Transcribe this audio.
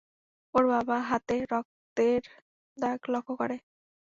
ওর বাবা হাতে রক্তের দাগ লক্ষ্য করে।